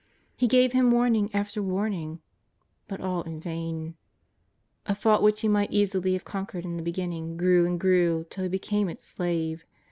He gave him warning after warn ing. But all in vain. A fault which he might easily have conquered in the beginning grew and grew till he became its slave.